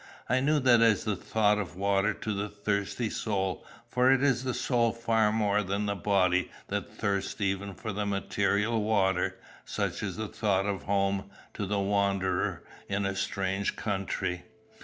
I knew that as the thought of water to the thirsty soul, for it is the soul far more than the body that thirsts even for the material water, such is the thought of home to the wanderer in a strange country.